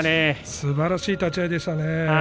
すばらしい立ち合いでしたね。